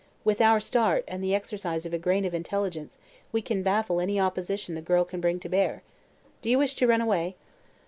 With our start, and the exercise of a grain of intelligence, we can baffle any opposition the girl can bring to bear. Do you wish to run away?"